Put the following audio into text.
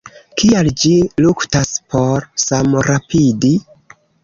Kial ĝi luktas por samrapidi?